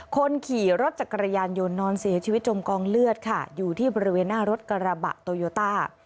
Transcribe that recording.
คนขี่รถจักรยานยนต์นอนเสียชีวิตจมกองเลือดค่ะอยู่ที่บริเวณหน้ารถกระบะโตโยต้า